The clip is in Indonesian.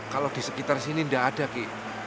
kalau disekitar sini tidak ada ki